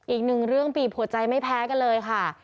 อีกหนึ่งเรื่องบีบหัวใจไม่แพ้กันเลยค่ะ